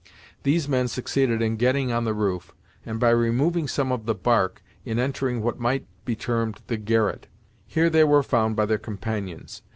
These men succeeded in getting on the roof, and by removing some of the bark, in entering what might be termed the garret. Here they were found by their companions.